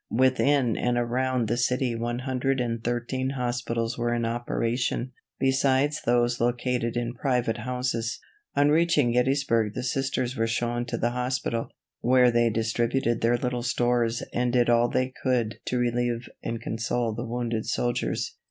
Within and around the city one hundred and thirteen hospitals were in operation, besides those located in private houses. On reaching Gettysburg the Sisters were shown to the hospital, where they distributed their little stores and did all they could to relieve and console the wounded soldiers.